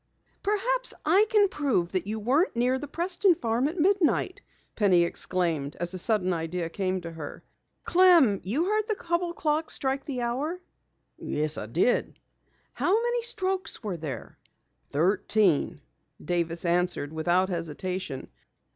"Perhaps I can prove that you weren't near the Preston farm at midnight!" Penny exclaimed as a sudden idea came to her. "Clem, you heard the Hubell clock strike the hour?" "Yes, I did." "How many strokes were there?" "Thirteen," Davis answered without hesitation.